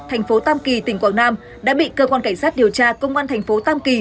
thành phố tam kỳ tỉnh quảng nam đã bị cơ quan cảnh sát điều tra công an thành phố tam kỳ